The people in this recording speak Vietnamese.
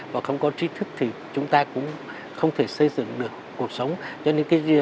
và không có trí thức thì chúng ta cũng không thể xây dựng được cuộc sống